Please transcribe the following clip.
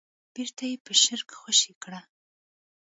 بېرته يې په شړک خوشې کړه.